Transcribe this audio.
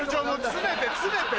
詰めて詰めて。